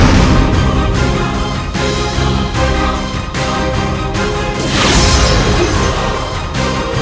tidak mengkhawatirkan nyirompang